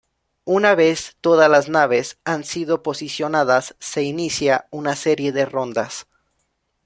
Una vez todas las naves han sido posicionadas, se inicia una serie de rondas.